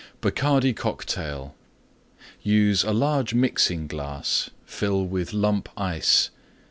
BACARDI COCKTAIL Use a large Mixing glass. Fill with Lump Ice.